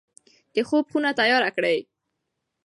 د خوب خونه تیاره کړئ.